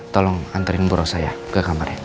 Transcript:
tolong anterin bu rosa ya ke kamarnya